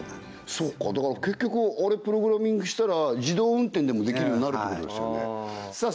そうかだから結局あれプログラミングしたら自動運転でもできるようになるってことですよねさあ